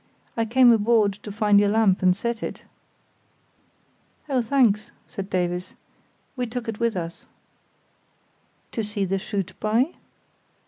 I came aboard to find your lamp and set it." "Oh, thanks," said Davies; "we took it with us." "To see to shoot by?"